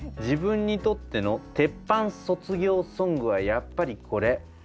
「自分にとっての鉄板卒業ソングはやっぱりこれ。